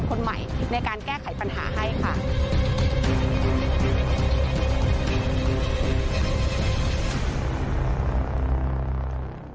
ในการแก้ไขปัญหาให้ค่ะ